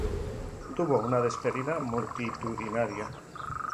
Tuvo una despedida multitudinaria.